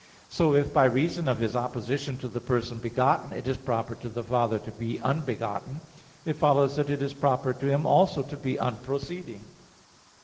So if by reason of his opposition to the person begotten, it is proper to the Father to be unbegotten it follows that it is proper to Him also to be unproceeding.